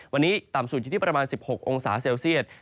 วันนี้ต่ำสุดอยู่ที่ประมาณ๑๖องศาเซลเซียต